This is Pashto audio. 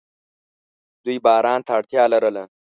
دوی باران ته اړتیا لرله.